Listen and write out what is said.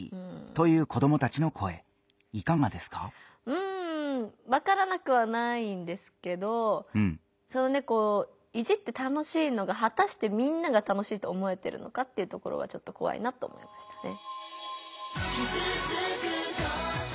うんわからなくはないんですけどいじって楽しいのがはたしてみんなが楽しいと思えてるのかっていうところはちょっとこわいなと思いましたね。